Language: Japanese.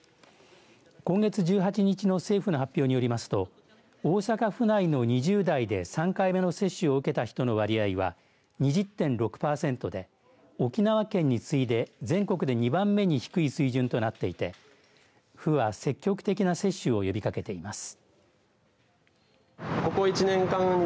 今月１８日の政府の発表によりますと大阪府内の２０代で３回目の接種を受けた人の割合は２０．６パーセントで沖縄県に次いで全国で２番目に低い水準となっていて府は積極的な接種を呼びかけています。